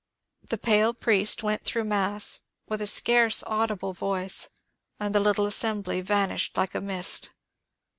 The pale priest went through mass with a scarce audible voice, and the little assembly vanished like a mist.